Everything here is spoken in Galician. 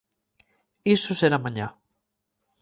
Iso será mañá.